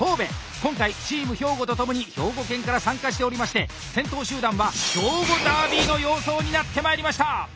今回チーム兵庫と共に兵庫県から参加しておりまして先頭集団は兵庫ダービーの様相になってまいりました！